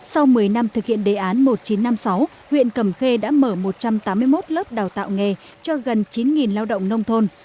sau một mươi năm thực hiện đề án một nghìn chín trăm năm mươi sáu huyện cầm khê đã mở một trăm tám mươi một lớp đào tạo nghề cho gần chín lao động nông thôn